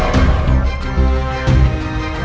kita pergi dari sini ayo